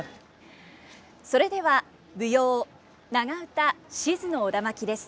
それでは舞踊長唄「賤の苧環」です。